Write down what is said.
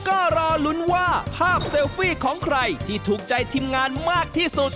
ก็รอลุ้นว่าภาพเซลฟี่ของใครที่ถูกใจทีมงานมากที่สุด